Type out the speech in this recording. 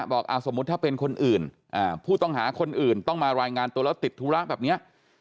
บอกสมมุติถ้าเป็นคนอื่นผู้ต้องหาคนอื่นต้องมารายงานตัวแล้วติดธุระแบบนี้